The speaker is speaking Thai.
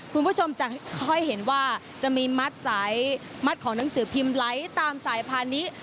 คุณผู้ชมจะค่อยเห็นว่าจะมีมัดของหนังสือพิมพ์ไล้ตามสายพานนี้